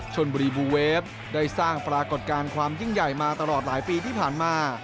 ชนบุรีบูเวฟได้สร้างปรากฏการณ์ความยิ่งใหญ่มาตลอดหลายปีที่ผ่านมา